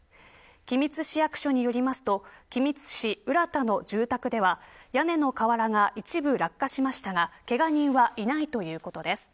君津市役所によりますと君津市浦田の住宅では屋根の瓦が一部落下しましたがけが人はいないということです。